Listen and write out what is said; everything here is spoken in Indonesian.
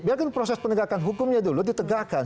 biarkan proses penegakan hukumnya dulu ditegakkan